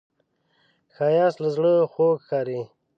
ښایست له زړه خوږ ښکاري